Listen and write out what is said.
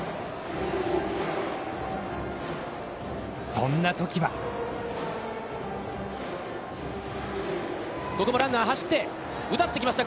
そんなときはここもランナー走って、打たせてきました。